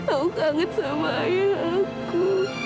aku kaget sama ayah aku